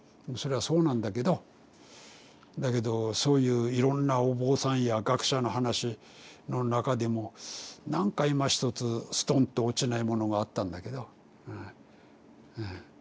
それはそうなんだけどだけどそういういろんなお坊さんや学者の話の中でもなんかいまひとつすとんと落ちないものがあったんだけどうんうん。